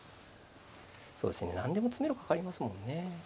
そうですね何でも詰めろかかりますもんね。